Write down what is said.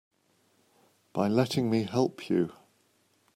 By letting me help you.